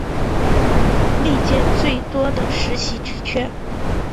历届最多的实习职缺